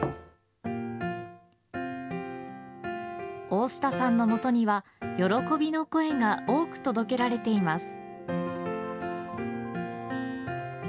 大下さんのもとには喜びの声が多く届けられています。